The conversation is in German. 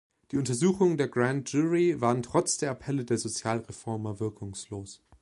Die Untersuchungen der Grand Jury waren trotz der Appelle der Sozialreformer wirkungslos.